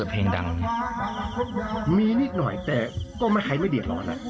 คุณว่ามิลิมบุคค้นนี่